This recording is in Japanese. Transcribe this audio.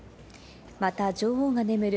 また女王が眠る